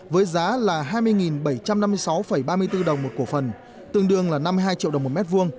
với giá là hai mươi bảy trăm năm mươi sáu ba mươi bốn đồng một cổ phần tương đương là năm mươi hai triệu đồng một mét vuông